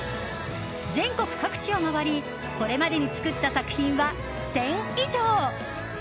全国各地を回り、これまでに作った作品は１０００以上。